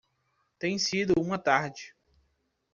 Tem sido uma tarde.